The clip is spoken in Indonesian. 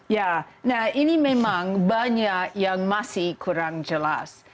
ya nah ini memang banyak yang masih kurang jelas